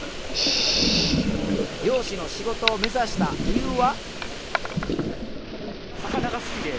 漁師の仕事を目指した理由は？